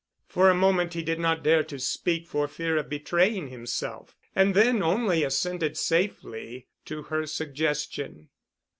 For a moment he did not dare to speak for fear of betraying himself. And then only assented safely to her suggestion.